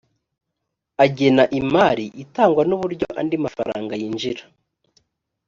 agena imali itangwa n uburyo andi mafaranga yinjira